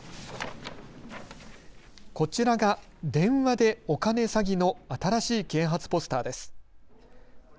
こちらが電話でお金詐欺の新しい啓発ポスターです。